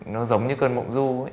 nó giống như cơn mộng du ý